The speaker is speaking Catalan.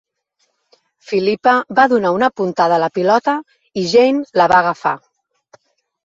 Philippa va donar una puntada a la pilota, i Jane la va agafar.